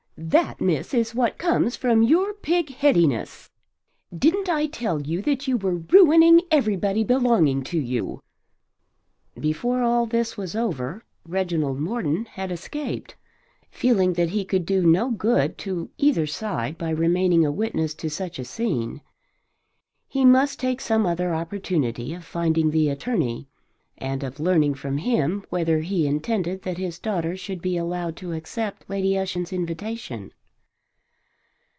That, miss, is what comes from your pigheadedness. Didn't I tell you that you were ruining everybody belonging to you?" Before all this was over Reginald Morton had escaped, feeling that he could do no good to either side by remaining a witness to such a scene. He must take some other opportunity of finding the attorney and of learning from him whether he intended that his daughter should be allowed to accept Lady Ushant's invitation.